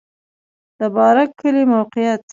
د بارک کلی موقعیت